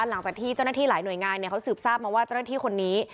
หลังจากที่เจ้าหน้าที่หลายหน่วยงานเขาสืบทราบมาว่าเจ้าหน้าที่คนนี้